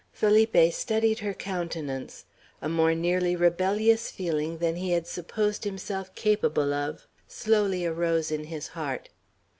Felipe studied her countenance. A more nearly rebellious feeling than he had supposed himself capable of slowly arose in his heart.